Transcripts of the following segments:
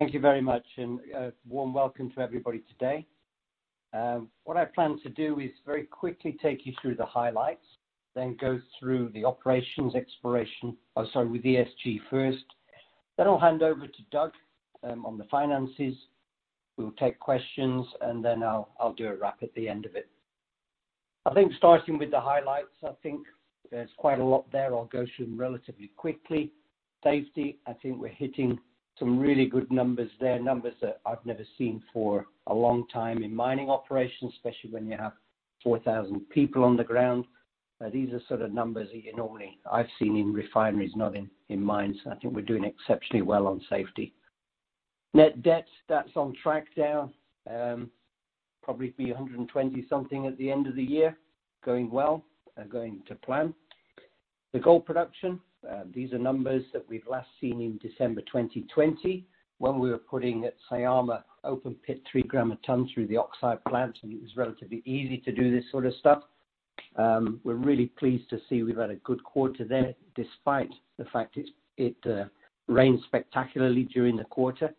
Thank you very much, and warm welcome to everybody today. What I plan to do is very quickly take you through the highlights, then go through the operations exploration. Sorry, with ESG first. Then I'll hand over to Doug, on the finances. We'll take questions, and then I'll do a wrap at the end of it. I think starting with the highlights, I think there's quite a lot there. I'll go through them relatively quickly. Safety, I think we're hitting some really good numbers there. Numbers that I've never seen for a long time in mining operations, especially when you have 4,000 people on the ground. These are sort of numbers that you normally I've seen in refineries, not in mines. I think we're doing exceptionally well on safety. Net debt, that's on track down. Probably be 120-something at the end of the year. Going well and going to plan. The gold production, these are numbers that we've last seen in December 2020 when we were putting at Syama open pit 3-gram a ton through the oxide plant, and it was relatively easy to do this sort of stuff. We're really pleased to see we've had a good quarter there, despite the fact it rained spectacularly during the quarter.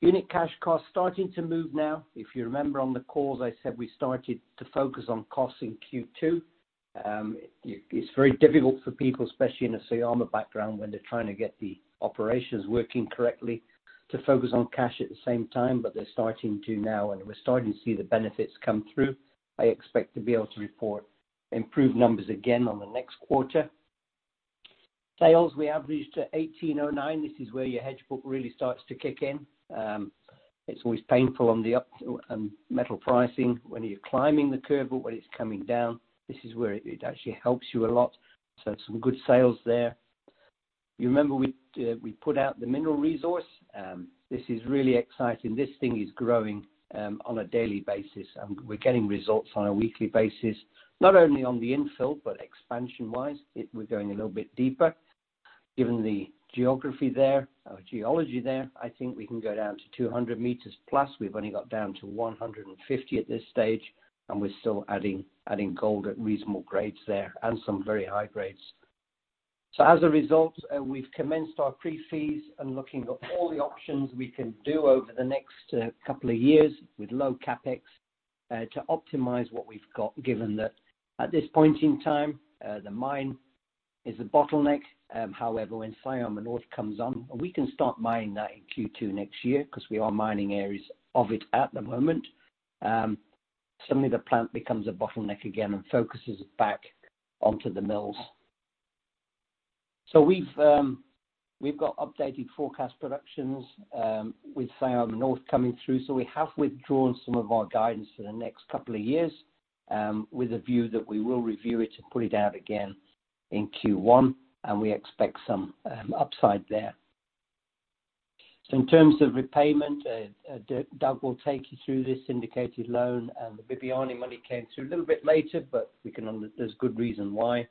Unit cash costs starting to move now. If you remember on the calls, I said we started to focus on costs in Q2. It's very difficult for people, especially in a Syama background, when they're trying to get the operations working correctly, to focus on cash at the same time, but they're starting to now, and we're starting to see the benefits come through. I expect to be able to report improved numbers again on the next quarter. Sales, we averaged at $1,809. This is where your hedge book really starts to kick in. It's always painful on the up, metal pricing when you're climbing the curve, but when it's coming down, this is where it actually helps you a lot. Some good sales there. You remember we put out the mineral resource. This is really exciting. This thing is growing on a daily basis. We're getting results on a weekly basis, not only on the infill, but expansion wise. We're going a little bit deeper. Given the geography there, geology there, I think we can go down to 200 meters plus. We've only got down to 150 at this stage, and we're still adding gold at reasonable grades there, and some very high grades. As a result, we've commenced our pre-feas and looking at all the options we can do over the next couple of years with low CapEx to optimize what we've got, given that at this point in time, the mine is a bottleneck. However, when Syama North comes on, we can start mining that in Q2 next year 'cause we are mining areas of it at the moment. Suddenly the plant becomes a bottleneck again and focuses back onto the mills. We've got updated forecast productions with Syama North coming through. We have withdrawn some of our guidance for the next couple of years, with a view that we will review it and put it out again in Q1, and we expect some upside there. In terms of repayment, Doug will take you through this syndicated loan. The Bibiani money came through a little bit later, but there's good reason why.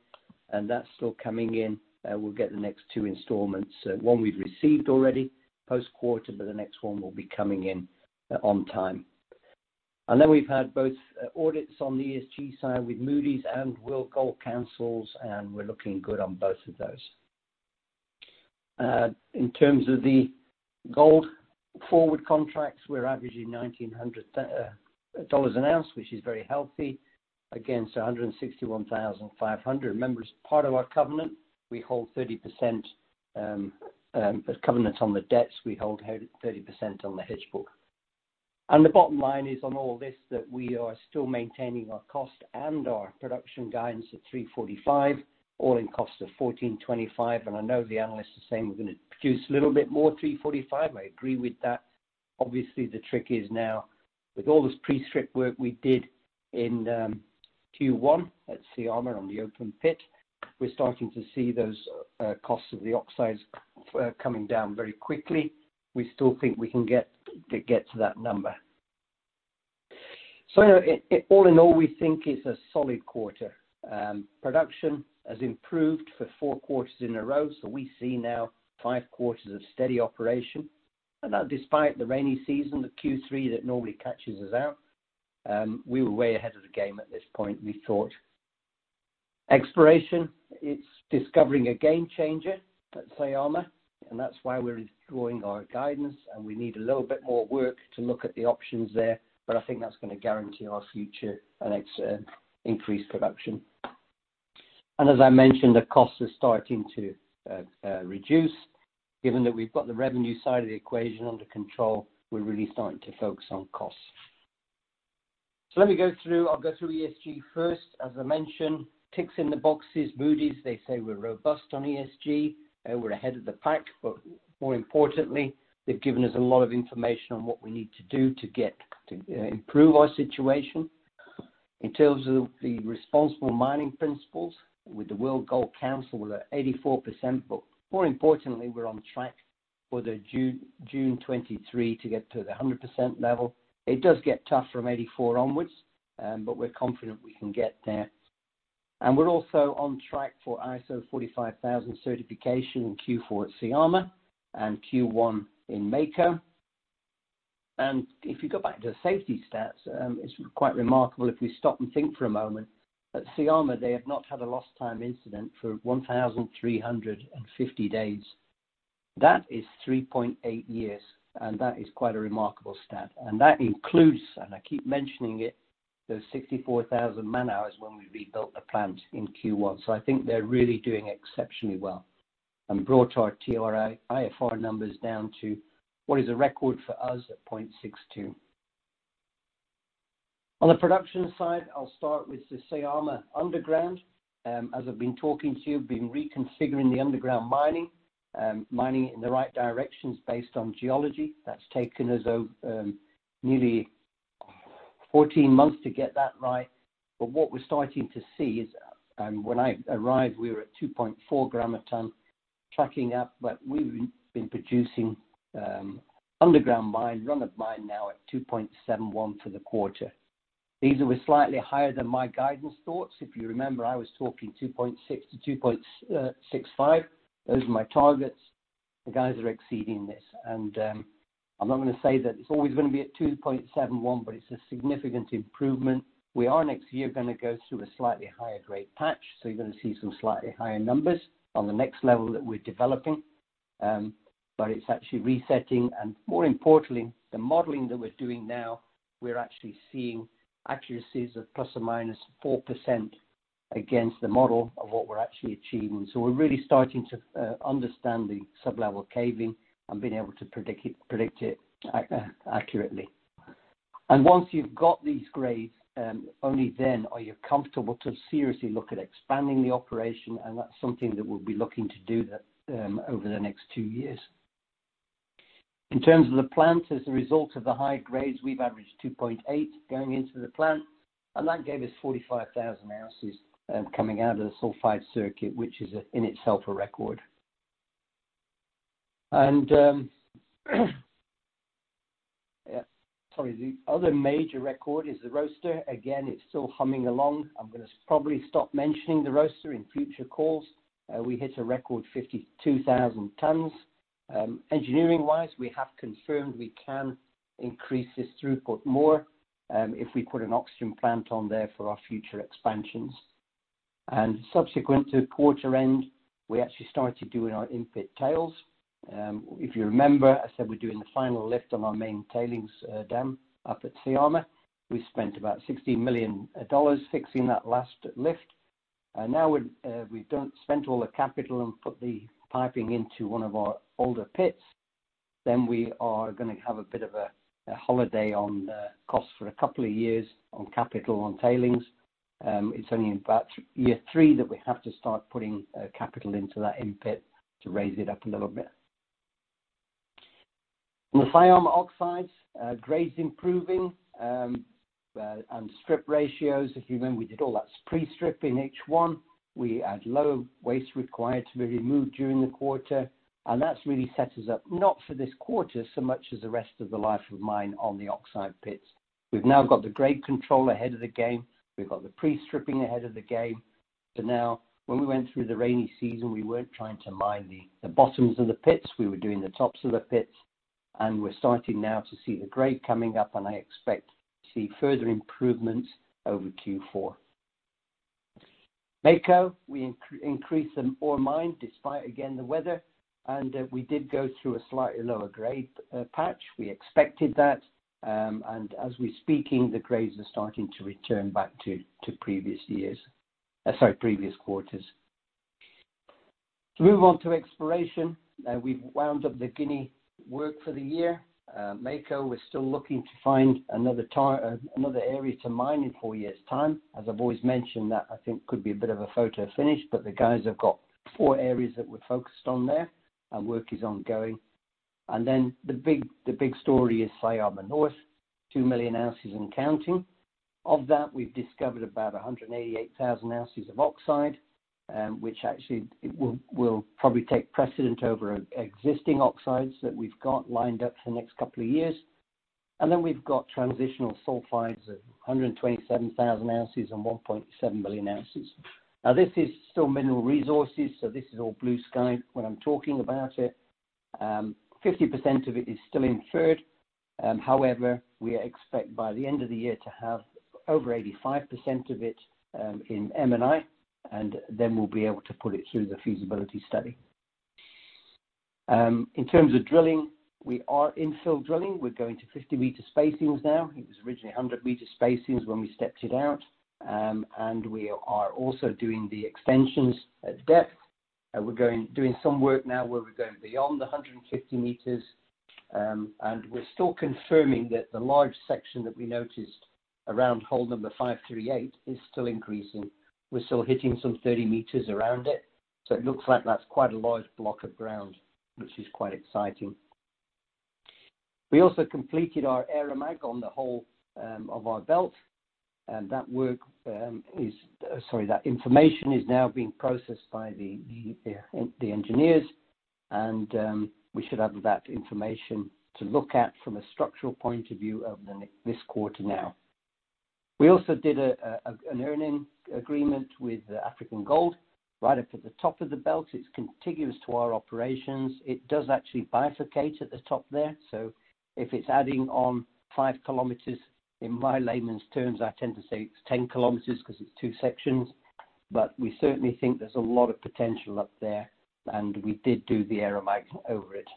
That's still coming in, and we'll get the next two installments. One we've received already, post quarter, but the next one will be coming in on time. Then we've had both audits on the ESG side with Moody's and World Gold Council, and we're looking good on both of those. In terms of the gold forward contracts, we're averaging $1,900 an ounce, which is very healthy. 161,500. Remember, as part of our covenant, we hold 30%, as covenants on the debts, we hold 30% on the hedge book. The bottom line is, on all this, that we are still maintaining our cost and our production guidance at 345, all-in sustaining costs of $1,425. I know the analysts are saying we're gonna produce a little bit more 345. I agree with that. Obviously, the trick is now, with all this pre-strip work we did in Q1 at Syama on the open pit, we're starting to see those costs of the oxides coming down very quickly. We still think we can get to that number. All in all, we think it's a solid quarter. Production has improved for four quarters in a row, so we see now five quarters of steady operation. That despite the rainy season, the Q3 that normally catches us out, we were way ahead of the game at this point, we thought. Exploration, it's discovering a game changer at Syama, and that's why we're withdrawing our guidance, and we need a little bit more work to look at the options there. I think that's gonna guarantee our future and increased production. As I mentioned, the costs are starting to reduce. Given that we've got the revenue side of the equation under control, we're really starting to focus on costs. Let me go through, I'll go through ESG first. As I mentioned, ticks in the boxes. Moody's, they say we're robust on ESG, we're ahead of the pack. More importantly, they've given us a lot of information on what we need to do to get to improve our situation. In terms of the Responsible Gold Mining Principles with the World Gold Council, we're at 84%. More importantly, we're on track for the June 2023 to get to the 100% level. It does get tough from 84 onwards, but we're confident we can get there. We're also on track for ISO 45001 certification in Q4 at Syama and Q1 in Mako. If you go back to the safety stats, it's quite remarkable if we stop and think for a moment that Syama, they have not had a lost time incident for 1,350 days. That is 3.8 years, and that is quite a remarkable stat. That includes, and I keep mentioning it, the 64,000 man-hours when we rebuilt the plant in Q1. I think they're really doing exceptionally well and brought our TRIFR numbers down to what is a record for us at 0.62. On the production side, I'll start with the Syama underground. As I've been talking to you, been reconfiguring the underground mining in the right directions based on geology. That's taken us over nearly 14 months to get that right. What we're starting to see is, and when I arrived we were at 2.4 gram a ton tracking up, but we've been producing underground mine run-of-mine now at 2.71 for the quarter. These were slightly higher than my guidance thoughts. If you remember, I was talking 2.6-2.65. Those are my targets. The guys are exceeding this, and I'm not gonna say that it's always gonna be at 2.71, but it's a significant improvement. We are next year gonna go through a slightly higher grade patch, so you're gonna see some slightly higher numbers on the next level that we're developing, but it's actually resetting and more importantly, the modeling that we're doing now, we're actually seeing accuracies of ±4% against the model of what we're actually achieving. We're really starting to understand the sublevel caving and being able to predict it accurately. Once you've got these grades, only then are you comfortable to seriously look at expanding the operation, and that's something that we'll be looking to do over the next two years. In terms of the plant, as a result of the high grades, we've averaged 2.8 going into the plant, and that gave us 45,000 ounces coming out of the sulfide circuit, which is, in itself, a record. Sorry. The other major record is the roaster. Again, it's still humming along. I'm gonna probably stop mentioning the roaster in future calls. We hit a record 52,000 tons. Engineering-wise, we have confirmed we can increase this throughput more if we put an oxygen plant on there for our future expansions. Subsequent to quarter end, we actually started doing our in-pit tails. If you remember, I said we're doing the final lift on our main tailings dam up at Syama. We spent about $60 million fixing that last lift. Now we've spent all the capital and put the piping into one of our older pits. We are gonna have a bit of a holiday on the CapEx for a couple of years on capital on tailings. It's only in about year three that we have to start putting capital into that in-pit to raise it up a little bit. In the Syama oxides, grades improving, and strip ratios. If you remember, we did all that pre-strip in H1. We had low waste required to be removed during the quarter. That's really set us up, not for this quarter, so much as the rest of the life of mine on the oxide pits. We've now got the grade control ahead of the game. We've got the pre-stripping ahead of the game. Now when we went through the rainy season, we weren't trying to mine the bottoms of the pits. We were doing the tops of the pits. We're starting now to see the grade coming up, and I expect to see further improvements over Q4. Mako, we increased the ore mined despite again, the weather, and we did go through a slightly lower grade patch. We expected that, and as we're speaking, the grades are starting to return back to previous years. Sorry, previous quarters. To move on to exploration, we've wound up the Guinea work for the year. Mako, we're still looking to find another area to mine in four years' time. As I've always mentioned, that I think could be a bit of a photo finish, but the guys have got four areas that we're focused on there and work is ongoing. Then the big story is Syama North, 2 million ounces and counting. Of that, we've discovered about 188,000 ounces of oxide, which actually it will probably take precedence over existing oxides that we've got lined up for the next couple of years. Then we've got transitional sulfides of 127,000 ounces and 1.7 million ounces. Now this is still mineral resources, so this is all blue sky when I'm talking about it. 50% of it is still inferred. However, we expect by the end of the year to have over 85% of it in M&I, and then we'll be able to put it through the feasibility study. In terms of drilling, we are infill drilling. We're going to 50-meter spacings now. It was originally 100-meter spacings when we stepped it out. We are also doing the extensions at depth. We're doing some work now where we're going beyond the 150 meters. We're still confirming that the large section that we noticed around hole number 538 is still increasing. We're still hitting some 30 meters around it, so it looks like that's quite a large block of ground, which is quite exciting. We also completed our air mag on the whole of our belt, and that work is. Sorry, that information is now being processed by the engineers and we should have that information to look at from a structural point of view this quarter now. We also did an earn-in agreement with African Gold right up at the top of the belt. It's contiguous to our operations. It does actually bifurcate at the top there. If it's adding on 5 kilometers, in my layman's terms, I tend to say it's 10 kilometers because it's two sections. We certainly think there's a lot of potential up there, and we did do the Aeromag over it.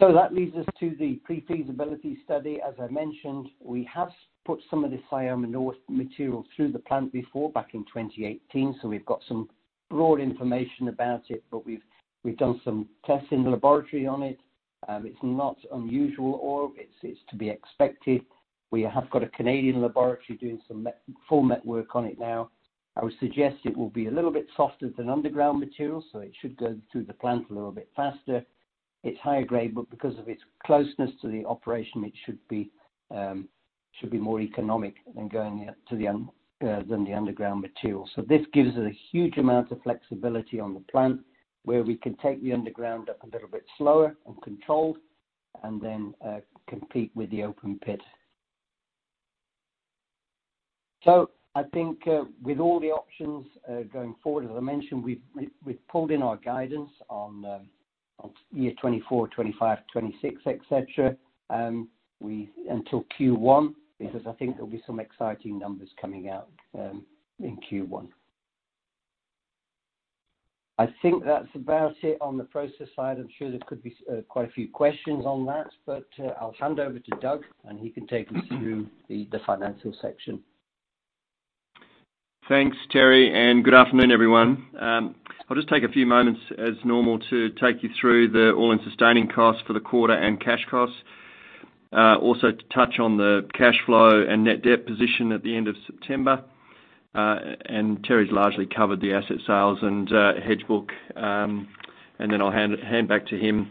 That leads us to the pre-feasibility study. As I mentioned, we have put some of the Syama North material through the plant before back in 2018, so we've got some broad information about it. We've done some tests in the laboratory on it. It's not unusual, or it's to be expected. We have got a Canadian laboratory doing some metallurgical testwork on it now. I would suggest it will be a little bit softer than underground material, so it should go through the plant a little bit faster. It's higher grade, but because of its closeness to the operation, it should be more economic than going out to the underground material. This gives us a huge amount of flexibility on the plant, where we can take the underground a little bit slower and controlled and then compete with the open pit. I think with all the options going forward, as I mentioned, we've pulled in our guidance on year 2024, 2025, 2026, etc., until Q1, because I think there'll be some exciting numbers coming out in Q1. I think that's about it on the process side. I'm sure there could be quite a few questions on that, but I'll hand over to Doug, and he can take you through the financial section. Thanks, Terry, and good afternoon, everyone. I'll just take a few moments as normal to take you through the all-in sustaining costs for the quarter and cash costs. Also to touch on the cash flow and net debt position at the end of September. Terry's largely covered the asset sales and hedge book. Then I'll hand back to him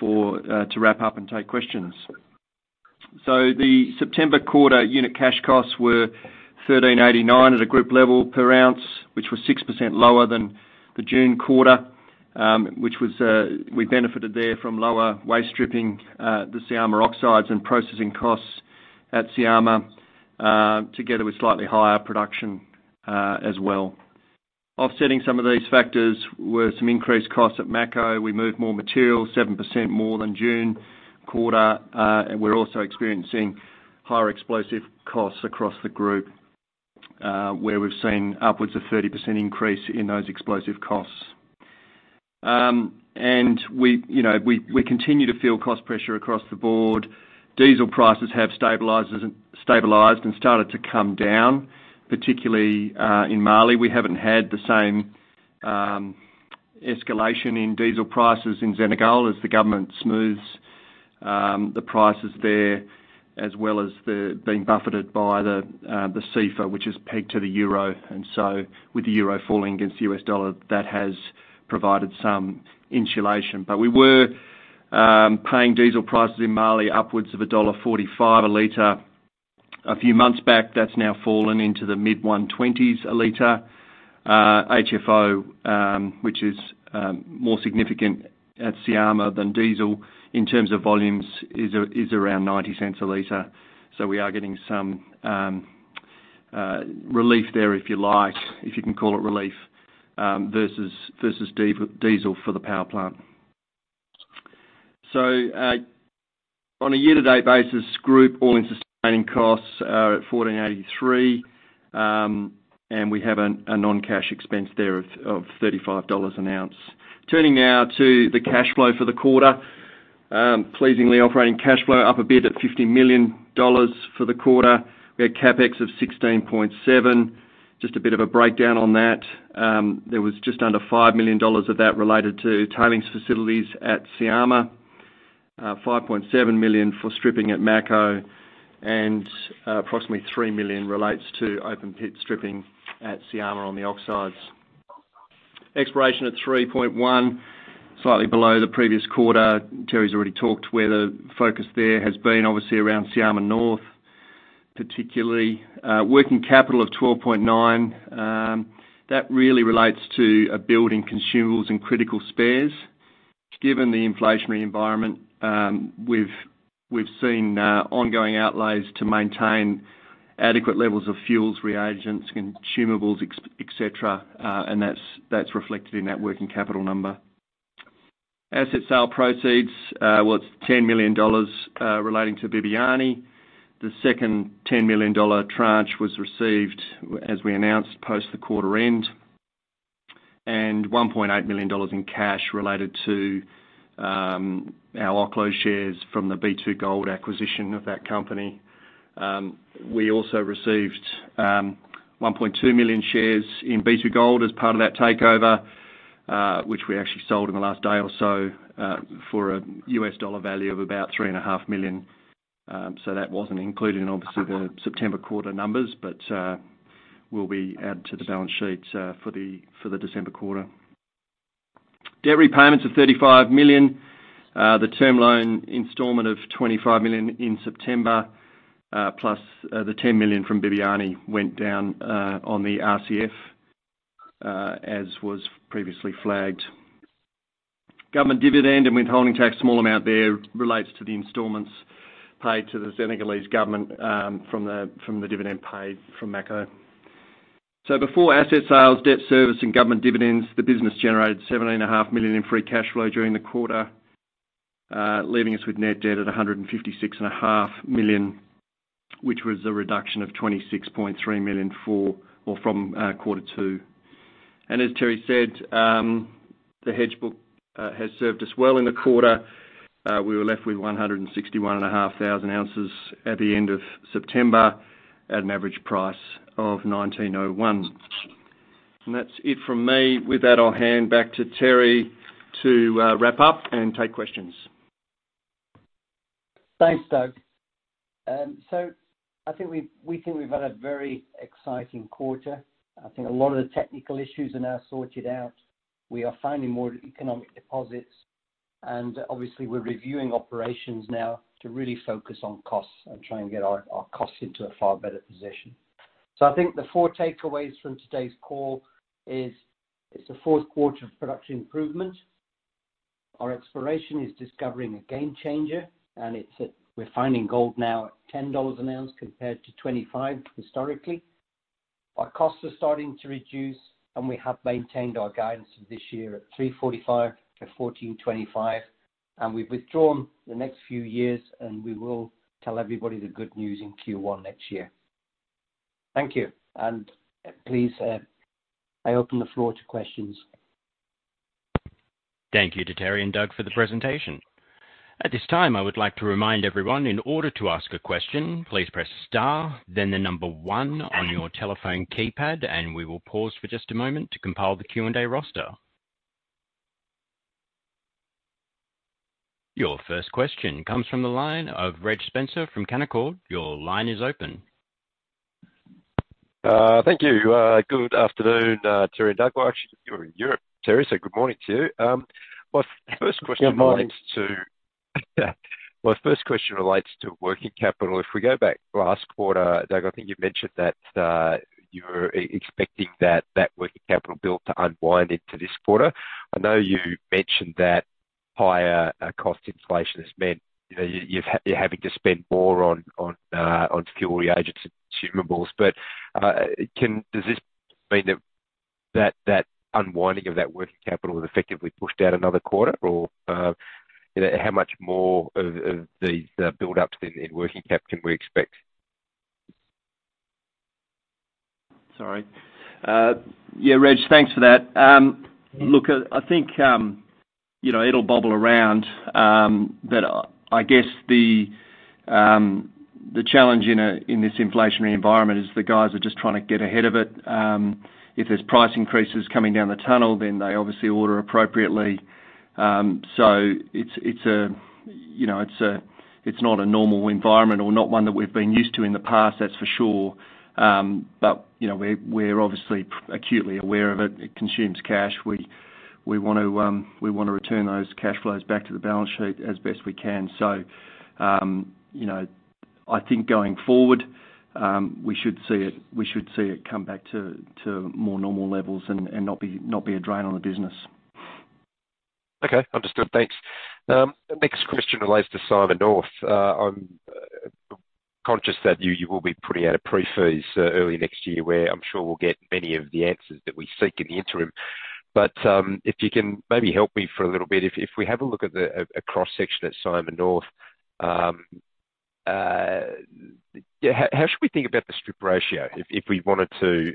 to wrap up and take questions. The September quarter unit cash costs were $1,389 at a group level per ounce, which was 6% lower than the June quarter, we benefited there from lower waste stripping, the Syama oxides and processing costs at Syama, together with slightly higher production, as well. Offsetting some of these factors were some increased costs at Mako. We moved more material, 7% more than June quarter, and we're also experiencing higher explosive costs across the group, where we've seen upwards of 30% increase in those explosive costs. We, you know, continue to feel cost pressure across the board. Diesel prices have stabilized and started to come down, particularly in Mali. We haven't had the same escalation in diesel prices in Senegal as the government smooths the prices there, as well as being buffeted by the CFA, which is pegged to the euro. With the euro falling against the US dollar, that has provided some insulation. We were paying diesel prices in Mali upwards of $1.45 a liter a few months back. That's now fallen into the mid $120s a liter. HFO, which is more significant at Syama than diesel in terms of volumes, is around $0.90 a liter. We are getting some relief there, if you like, if you can call it relief, versus diesel for the power plant. On a year-to-date basis, group all-in sustaining costs are at $1,483, and we have a non-cash expense there of $35 an ounce. Turning now to the cash flow for the quarter. Pleasingly, operating cash flow up a bit at $50 million for the quarter. We had CapEx of $16.7 million. Just a bit of a breakdown on that. There was just under $5 million of that related to tailings facilities at Syama, $5.7 million for stripping at Mako, and approximately $3 million relates to open pit stripping at Syama on the oxides. Exploration at $3.1 million, slightly below the previous quarter. Terry's already talked where the focus there has been, obviously around Syama North, particularly. Working capital of $12.9 million, that really relates to a build in consumables and critical spares. Given the inflationary environment, we've seen ongoing outlays to maintain adequate levels of fuels, reagents, consumables, etc., and that's reflected in that working capital number. Asset sale proceeds was $10 million, relating to Bibiani. The second $10 million tranche was received as we announced post the quarter end, and $1.8 million in cash related to our Oklo shares from the B2Gold acquisition of that company. We also received 1.2 million shares in B2Gold as part of that takeover, which we actually sold in the last day or so, for a US dollar value of about $3.5 million. That wasn't included in, obviously, the September quarter numbers, but will be added to the balance sheet for the December quarter. Debt repayments of $35 million. The term loan installment of $25 million in September, plus the $10 million from Bibiani went down on the RCF, as was previously flagged. Government dividend and withholding tax, small amount there, relates to the installments paid to the Senegalese government from the dividend paid from Mako. Before asset sales, debt service and government dividends, the business generated $17 and a half million in free cash flow during the quarter. Leaving us with net debt at $156 and a half million, which was a reduction of $26.3 million from quarter two. As Terry said, the hedge book has served us well in the quarter. We were left with 161,500 ounces at the end of September at an average price of $1,901. That's it from me. With that, I'll hand back to Terry to wrap up and take questions. Thanks, Doug. I think we think we've had a very exciting quarter. I think a lot of the technical issues are now sorted out. We are finding more economic deposits, and obviously we're reviewing operations now to really focus on costs and try and get our costs into a far better position. I think the four takeaways from today's call is it's a fourth quarter of production improvement. Our exploration is discovering a game changer, and we're finding gold now at $10 an ounce compared to $25 historically. Our costs are starting to reduce, and we have maintained our guidance for this year at 345-1,425, and we've withdrawn the next few years, and we will tell everybody the good news in Q1 next year. Thank you. Please, I open the floor to questions. Thank you to Terry and Doug for the presentation. At this time, I would like to remind everyone, in order to ask a question, please press star, then the number one on your telephone keypad, and we will pause for just a moment to compile the Q&A roster. Your first question comes from the line of Reg Spencer from Canaccord Genuity. Your line is open. Thank you. Good afternoon, Terry and Doug. Well, actually, you're in Europe, Terry, so good morning to you. My first question relates to- Good morning. My first question relates to working capital. If we go back last quarter, Doug, I think you mentioned that you were expecting that working capital build to unwind into this quarter. I know you mentioned that higher cost inflation has meant, you know, you're having to spend more on still reagents and consumables, but does this mean that that unwinding of that working capital is effectively pushed out another quarter? Or how much more of these buildups in working capital we expect? Sorry. Yeah, Reg, thanks for that. Look, I think, you know, it'll bobble around, but I guess the challenge in this inflationary environment is the guys are just trying to get ahead of it. If there's price increases coming down the tunnel, then they obviously order appropriately. It's a, you know, it's not a normal environment or not one that we've been used to in the past, that's for sure. You know, we're obviously acutely aware of it. It consumes cash. We want to return those cash flows back to the balance sheet as best we can. You know, I think going forward, we should see it come back to more normal levels and not be a drain on the business. Okay. Understood. Thanks. The next question relates to Syama North. I'm conscious that you will be putting out a pre-feas early next year, where I'm sure we'll get many of the answers that we seek in the interim. If you can maybe help me for a little bit, if we have a look at a cross-section at Syama North, yeah, how should we think about the strip ratio if we wanted to,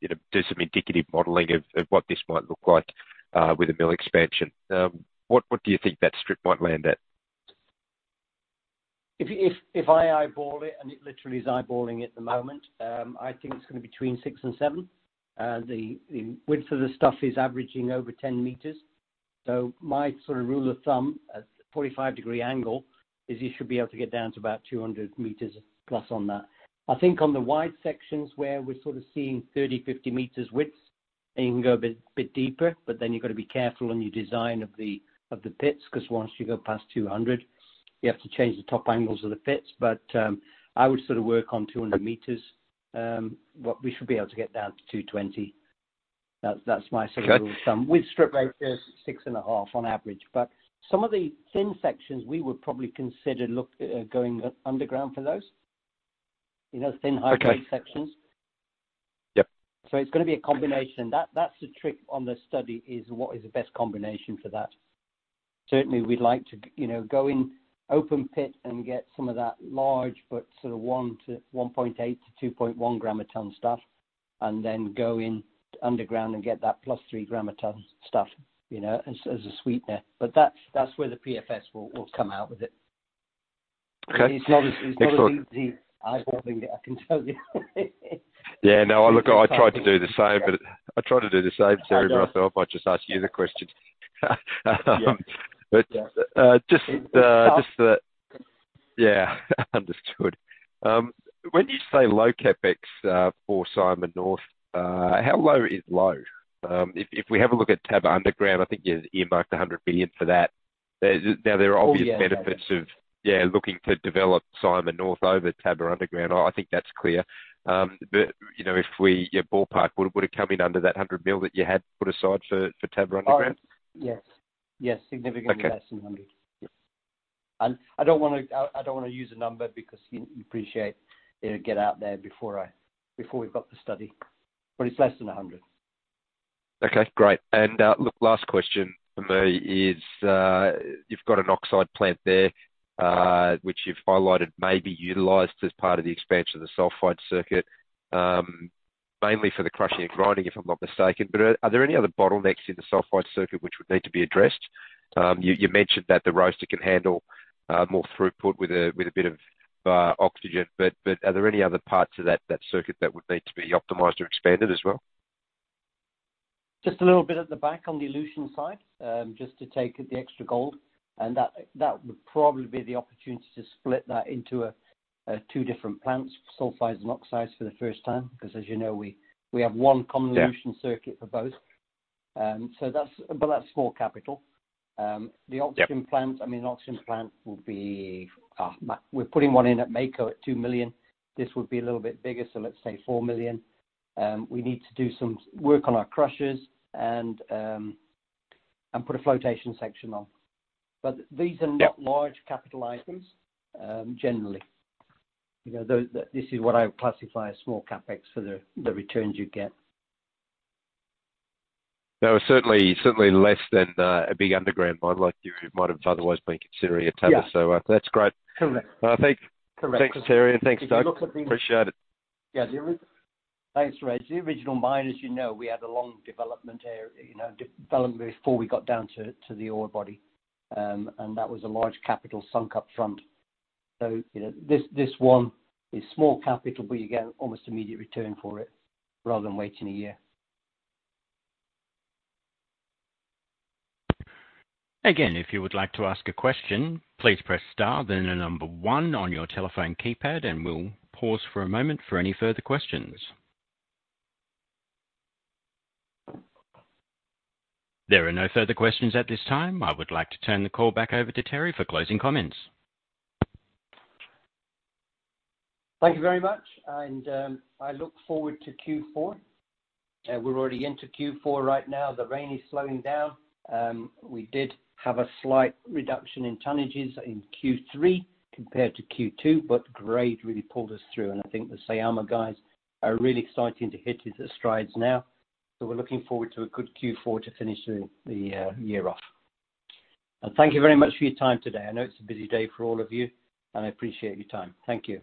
you know, do some indicative modeling of what this might look like with a mill expansion? What do you think that strip might land at? If I eyeball it, and it literally is eyeballing at the moment, I think it's gonna be between six and seven. The width of the stuff is averaging over 10 meters. My sort of rule of thumb at 45-degree angle is you should be able to get down to about 200 meters plus on that. I think on the wide sections where we're sort of seeing 30, 50 meters widths, and you can go a bit deeper, but then you've got to be careful on your design of the pits, 'cause once you go past 200, you have to change the top angles of the pits. I would sort of work on 200 meters. What we should be able to get down to 220. That's my sort of- Okay. Rule of thumb. With strip rates of 6.5 on average. Some of the thin sections, we would probably consider going underground for those. You know, thin, high grade sections. Okay. Yep. It's gonna be a combination. That's the trick on the study, is what is the best combination for that. Certainly, we'd like to, you know, go in open pit and get some of that large but sort of 1 to 1.8 to 2.1 gram a ton stuff, and then go in underground and get that +3 gram a ton stuff, you know, as a sweetener. That's where the PFS will come out with it. Okay. It's not as- Next question. It's not as easy eyeballing it, I can tell you. Yeah, no, I tried to do the same, Terry, but I thought I'd just ask you the question. Yeah. Just the. It's tough. Yeah. Understood. When you say low CapEx for Syama North, how low is low? If we have a look at Tabakoroni Underground, I think you've earmarked 100 million for that. Now, there are obvious benefits of looking to develop Syama North over Tabakoroni Underground. I think that's clear. You know, if we ballpark, would it come in under that 100 million that you had put aside for Tabakoroni Underground? Oh, yes. Yes, significantly. Okay. Less than 100. Yes. I don't wanna use a number because you appreciate it'll get out there before we've got the study, but it's less than 100. Okay, great. Look, last question from me is, you've got an oxide plant there, which you've highlighted may be utilized as part of the expansion of the sulfide circuit, mainly for the crushing and grinding, if I'm not mistaken. Are there any other bottlenecks in the sulfide circuit which would need to be addressed? You mentioned that the roaster can handle more throughput with a bit of oxygen. Are there any other parts of that circuit that would need to be optimized or expanded as well? Just a little bit at the back on the elution side, just to take the extra gold, and that would probably be the opportunity to split that into, two different plants, sulfides and oxides for the first time. 'Cause as you know, we have one common- Yeah. leaching circuit for both. So that's small capital. Yeah. The oxygen plant, I mean, the oxygen plant will be. We're putting one in at Mako at $2 million. This would be a little bit bigger, so let's say $4 million. We need to do some work on our crushers and put a flotation section on. But these are Yeah. not large capital items, generally. You know, this is what I would classify as small CapEx for the returns you'd get. That was certainly less than a big underground mine like you might have otherwise been considering at Tabakoroni. Yeah. That's great. Correct. Well, thank you. Correct. Thanks, Terry. Thanks, Doug. If you look at the- Appreciate it. Thanks, Reg. The original mine, as you know, we had a long development area, you know, development before we got down to the ore body. That was a large capital sunk up front. You know, this one is small capital, but you get almost immediate return for it rather than waiting a year. Again, if you would like to ask a question, please press star then the number one on your telephone keypad, and we'll pause for a moment for any further questions. There are no further questions at this time. I would like to turn the call back over to Terry for closing comments. Thank you very much. I look forward to Q4. We're already into Q4 right now. The rain is slowing down. We did have a slight reduction in tonnages in Q3 compared to Q2, but grade really pulled us through. I think the Syama guys are really starting to hit their stride now. We're looking forward to a good Q4 to finish the year off. Thank you very much for your time today. I know it's a busy day for all of you, and I appreciate your time. Thank you.